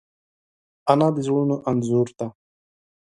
انا د زړونو انځور ده